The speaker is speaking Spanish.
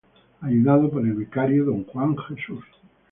Ayudado por el vicario Don Juan Jesús.